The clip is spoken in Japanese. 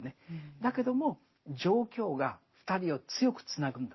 だけども状況が２人を強くつなぐんだって。